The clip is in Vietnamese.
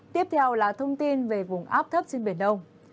tiếp theo là thông tin về vùng áp thấp trên biển đông